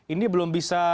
ini belum bisa